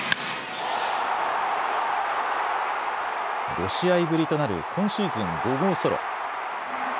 ５試合ぶりとなる今シーズン５号ソロ。